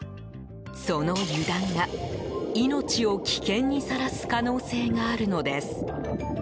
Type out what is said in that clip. その油断が命を危険にさらす可能性があるのです。